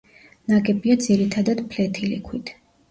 ნაგებია ძირითადად ფლეთილი ქვით.